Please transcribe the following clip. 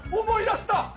思い出した！